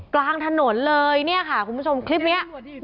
กลางถนนเลยเนี่ยค่ะคุณผู้ชมคลิปนี้